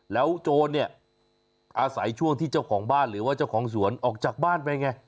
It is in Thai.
แล้วโจรเนี่ยอาศัยช่วงที่เจ้าของบ้านหรือว่าเจ้าของสวนออกจากบ้านไปไง